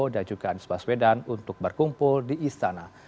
dan juga anies baswedan untuk berkumpul di istana